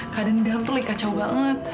kadang kadang terlihat kacau banget